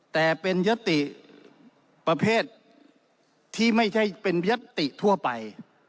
แต่เป็นยติประเภทที่ไม่ใช่เป็นยัตติทั่วไป